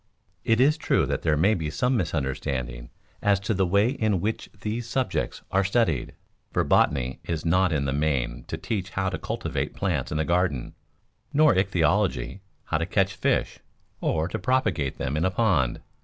It is true that there may be some misunderstanding as to the way in which these subjects are studied, for botany is not in the main to teach how to cultivate plants in the garden, nor ichthyology how to catch fish or to propagate them in a pond.